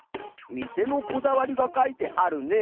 店のこだわりが書いてあるね。